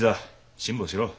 辛抱しろ。